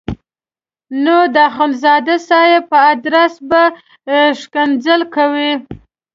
نو د اخندزاده صاحب په ادرس به ښکنځل کوي.